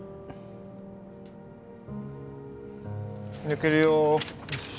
抜けるよ。